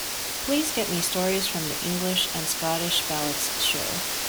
Please get me Stories from the English and Scottish Ballads show.